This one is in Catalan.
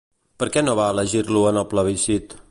Per què no va elegir-lo en el plebiscit?